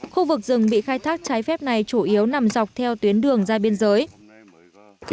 khu vực rừng bị khai thác trái phép này chủ yếu nằm dọc theo tuyến đường ra biên giới